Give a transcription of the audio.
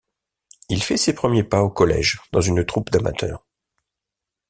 Il fait ses premiers pas au collège dans une troupe d'amateurs.